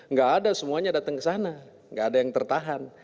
nggak ada semuanya datang ke sana nggak ada yang tertahan